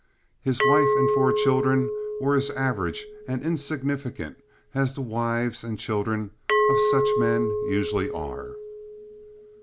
His wife and four children were as average and insignificant as the wives and children of such men usually are.